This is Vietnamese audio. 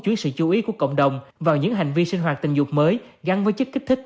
chứa sự chú ý của cộng đồng vào những hành vi sinh hoạt tình dục mới gắn với chất kích thích